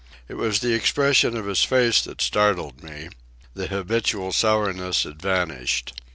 It was the expression of his face that startled me. The habitual sourness had vanished.